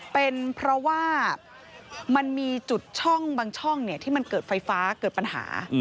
เป็นเพราะว่ามันมีจุดช่องบางช่องที่มันเกิดไฟฟ้าเกิดปัญหา